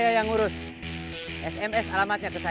biar saya yang urus sms alamatnya ke saya